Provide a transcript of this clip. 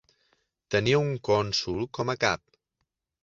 Tenia un cònsol com a cap.